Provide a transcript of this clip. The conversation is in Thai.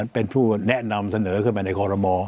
เป็นผู้แนะนำเสนอขึ้นมาในคอรมอ